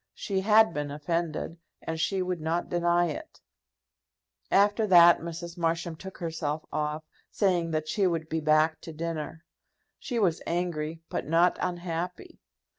She had been offended, and she would not deny it. After that, Mrs. Marsham took herself off, saying that she would be back to dinner. She was angry, but not unhappy.